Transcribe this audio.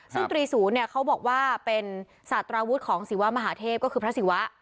ซึ่งตรีศูนย์เขาบอกว่าให้เป็นสาธาราวุธของสีวมหาเทพก็คือพระสิวะ